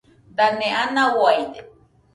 Dane ana uaide